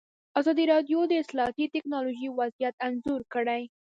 ازادي راډیو د اطلاعاتی تکنالوژي وضعیت انځور کړی.